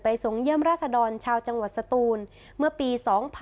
ส่งเยี่ยมราชดรชาวจังหวัดสตูนเมื่อปี๒๕๖๒